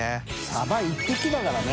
サバ一匹だからね。